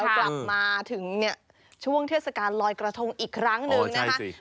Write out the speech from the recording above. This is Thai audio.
กลับมาถึงเนี่ยช่วงเทศกาลลอยกระทงอีกครั้งหนึ่งนะคะ